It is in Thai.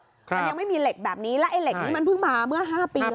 มันยังไม่มีเหล็กแบบนี้แล้วไอ้เหล็กนี้มันเพิ่งมาเมื่อ๕ปีแล้ว